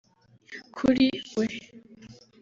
kuri we